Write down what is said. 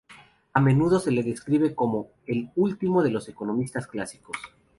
A menudo se le describe como el "último de los economistas clásicos".